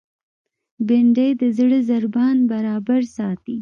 بېنډۍ د زړه ضربان برابر ساتي